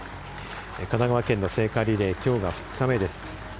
神奈川県の聖火リレーきょうが２日目です。